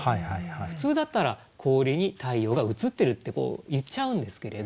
普通だったら「氷に太陽が映ってる」って言っちゃうんですけれど。